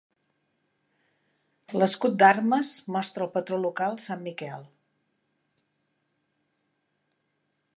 L'escut d'armes mostra el patró local San Miquel.